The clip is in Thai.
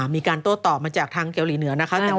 มีการโต้ตอบมาจากทางเกาหลีเหนือนะคะ